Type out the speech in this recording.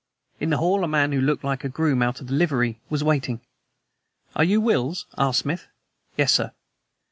In the hall a man who looked like a groom out of livery was waiting. "Are you Wills?" asked Smith. "Yes, sir."